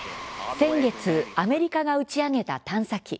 先月アメリカが打ち上げた探査機。